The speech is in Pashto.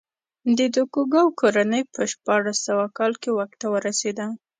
د توکوګاوا کورنۍ په شپاړس سوه کال کې واک ته ورسېده.